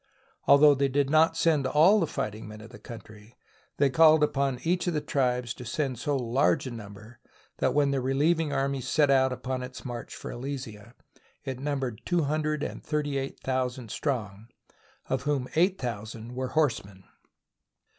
Although they did not send all the fighting men of the country, they called upon each of the tribes to send so large a number that when the re lieving army set out upon its march for Alesia it numbered two hundred and thirty eight thousand strong, of whom eight thousand were horsemen.